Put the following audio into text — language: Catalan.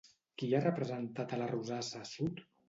Qui hi ha representat a la rosassa sud?